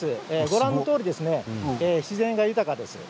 ご覧のとおり自然豊かです。